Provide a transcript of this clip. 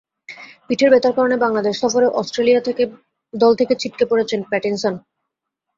পিঠের ব্যথার কারণে বাংলাদেশ সফরে অস্ট্রেলিয়া দল থেকে ছিটকে পড়েছেন প্যাটিনসন।